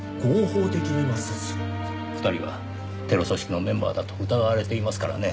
２人はテロ組織のメンバーだと疑われていますからねぇ。